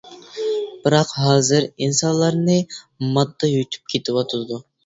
بىراق ھازىر ئىنسانلارنى ماددا يۇتۇپ كېتىۋاتىدۇ.